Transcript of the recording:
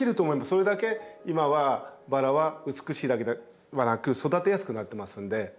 それだけ今はバラは美しいだけではなく育てやすくなってますので。